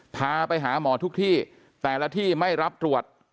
พาไปหาหมอทุกที่แต่ละที่ไม่รับตรวจ